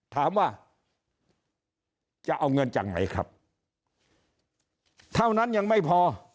ถามว่าจะเอาเงินจากไหนครับเท่านั้นยังไม่พอ